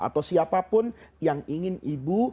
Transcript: atau siapapun yang ingin ibu